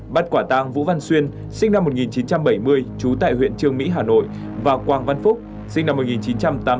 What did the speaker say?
bắt quả tang vũ văn xuyên sinh năm một nghìn chín trăm bảy mươi trú tại huyện trương mỹ hà nội và quang văn phúc sinh năm một nghìn chín trăm tám mươi tám